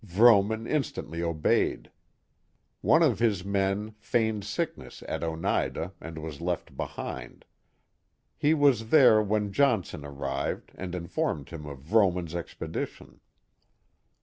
Vrooman instantly obeyed. One of his men feigned sickness at Oneida, and was left behind. He was there when Johnson arrived, and informed him of Vrooman's expedition.